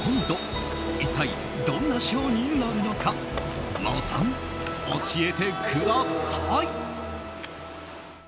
一体どんなショーになるのか真央さん、教えてください！